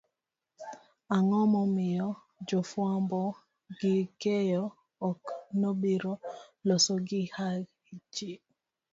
ang'o momiyo jofwambo gi keyo ok nobiro losogihaji?